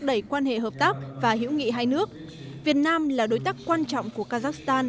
đẩy quan hệ hợp tác và hữu nghị hai nước việt nam là đối tác quan trọng của kazakhstan